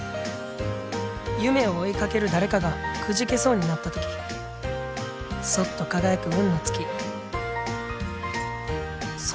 夢を追いかける誰かがくじけそうになった時マキトありがとう